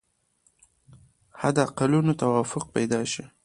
حد اقلونو توافق پیدا شي.